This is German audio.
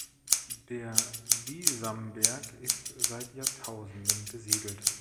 Der Bisamberg ist seit Jahrtausenden besiedelt.